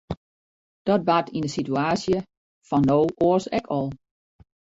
Dat bart yn de situaasje fan no oars ek al.